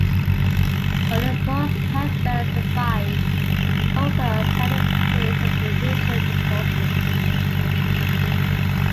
Only the boar's head bell survives, also apparently placed as a ritual deposit.